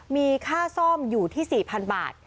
มีค่าซ่อมอยู่ที่๔๐๐๐บาท